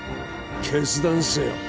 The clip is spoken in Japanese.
決断せよ。